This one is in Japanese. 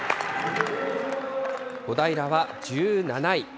小平は１７位。